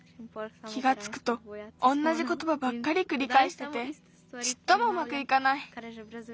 気がつくとおんなじことばばっかりくりかえしててちっともうまくいかない。